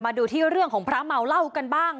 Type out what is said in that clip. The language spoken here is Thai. มาดูที่เรื่องของพระเมาเหล้ากันบ้าง